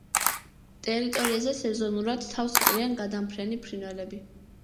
ტერიტორიაზე სეზონურად თავს იყრიან გადამფრენი ფრინველები.